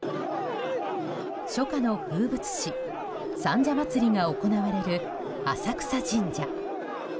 初夏の風物詩三社祭が行われる浅草神社。